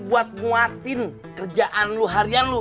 buat nguatin kerjaan lu harian lu